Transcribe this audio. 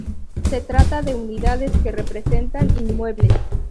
Se trata de unidades que representan inmuebles.